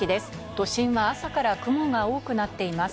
都心は朝から雲が多くなっています。